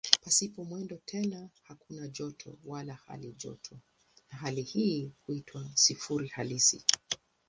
Pasipo mwendo tena hakuna joto wala halijoto na hali hii huitwa "sifuri halisi".